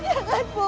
jangan bu jangan bu